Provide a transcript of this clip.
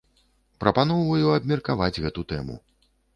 Прапаноўваю абмеркаваць гэту тэму.